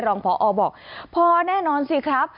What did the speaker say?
รองพอบอกพอแน่นอนสิครับ